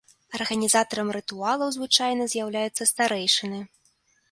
Арганізатарам рытуалаў звычайна з'яўляюцца старэйшыны.